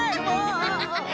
アハハハハ。